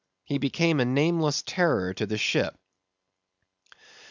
He became a nameless terror to the ship.